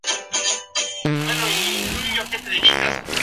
Predomina la producción de vino blanco, elaborado con garnacha blanca y macabeo.